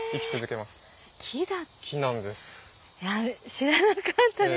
知らなかったです。